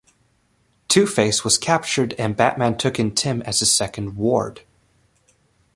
Two-Face was captured and Batman took in Tim as his second ward.